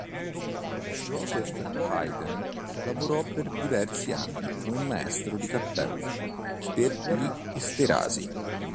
Joseph Haydn lavorò per diversi anni come maestro di cappella per gli Esterházy.